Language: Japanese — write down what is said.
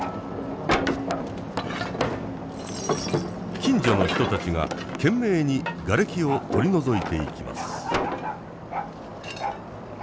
近所の人たちが懸命にがれきを取り除いていきます。